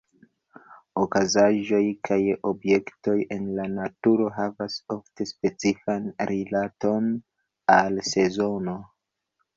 Okazaĵoj kaj objektoj en la naturo havas ofte specifan rilaton al sezono.